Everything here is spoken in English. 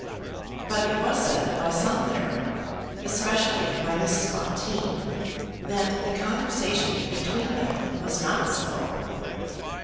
But it was said by some there, especially by Mrs. Bonteen, that the conversation between them was not slow.